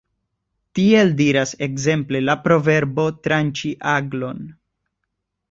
Tiel diras ekzemple la proverbo 'tranĉi aglon'.